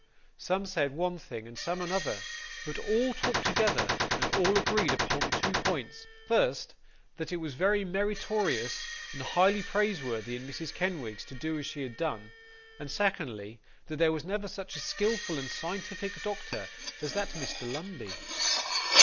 Some said one thing, and some another; but all talked together, and all agreed upon two points: first, that it was very meritorious and highly praiseworthy in Mrs. Kenwigs to do as she had done: and secondly, that there never was such a skilful and scientific doctor as that Dr Lumbey.